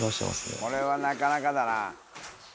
これはなかなかだな。